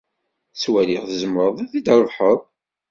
Ttwaliɣ tzemreḍ ad t-id-trebḥeḍ.